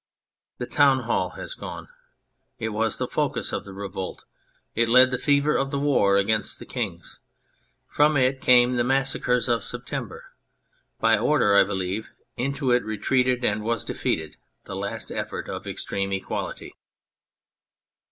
The town hall has gone. It was the focus of the revolt, it led the fever of the war against the kings From it came the massacres of September order, I believe, into it retreated and was defeatec the last effort of extreme equality.